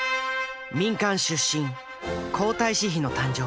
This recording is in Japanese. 民間出身皇太子妃の誕生。